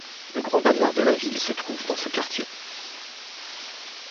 Le grand Bazar de la ville se trouve dans ce quartier.